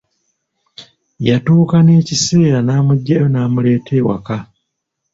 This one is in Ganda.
Yatuuka n'ekiseera n'amuggyayo n'muleeta ewaka.